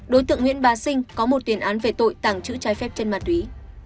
đối tượng nguyễn bá sinh có một tiền án về tội tẳng chữ chai phép chân mặt túy